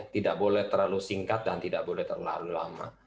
tidak boleh terlalu singkat dan tidak boleh terlalu lama